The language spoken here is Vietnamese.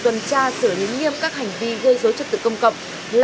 tuần tra xử lý nghiêm các hành vi gây dối trực tự công cập